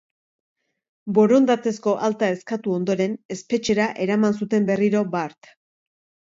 Borondatezko alta eskatu ondoren, espetxera eraman zuten berriro bart.